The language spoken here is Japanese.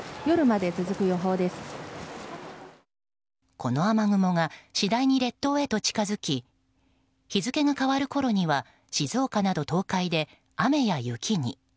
この雨雲が次第に列島へと近づき日付が変わるころには静岡など東海で雨や雪に。